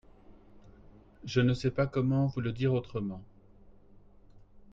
Je ne sais pas comment vous le dire autrement.